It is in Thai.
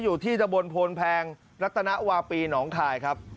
อยู่ที่ตะบนโพนแพงรัตนวาปีหนองคายครับ